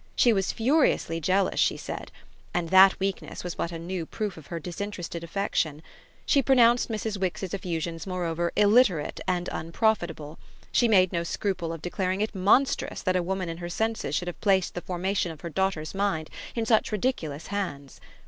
She was furiously jealous, she said; and that weakness was but a new proof of her disinterested affection. She pronounced Mrs. Wix's effusions moreover illiterate and unprofitable; she made no scruple of declaring it monstrous that a woman in her senses should have placed the formation of her daughter's mind in such ridiculous hands.